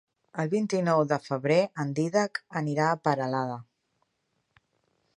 El vint-i-nou de febrer en Dídac anirà a Peralada.